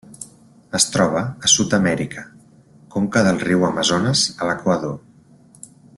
Es troba a Sud-amèrica: conca del riu Amazones a l'Equador.